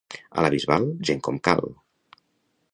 A la Bisbal, gent com cal!